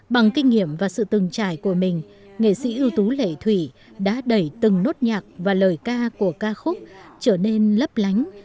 bằng kinh nghiệm và sự từng trải của mình nghệ sĩ ưu tú lệ thủy đã đẩy từng nốt nhạc và lời ca của ca khúc trở nên lấp lánh